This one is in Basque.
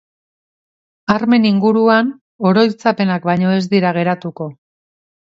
Armen inguruan, oroitzapenak baino ez dira geratuko.